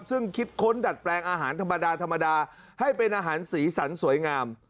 ซึ่งคิดค้นดัดแปลงอาหารธรรมดาธรรมดาให้เป็นอาหารสีสันสวยงาม